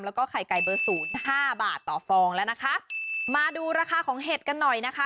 แล้วก็ไข่ไก่เบอร์ศูนย์ห้าบาทต่อฟองแล้วนะคะมาดูราคาของเห็ดกันหน่อยนะคะ